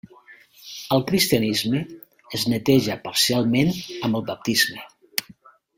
Al Cristianisme es neteja parcialment amb el baptisme.